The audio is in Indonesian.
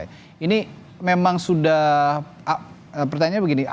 ini memang sudah pertanyaannya begini